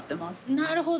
なるほど。